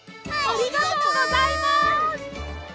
ありがとうございます！